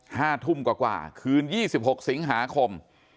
ห้าทุ่มกว่าคืน๒๖สิงหาคม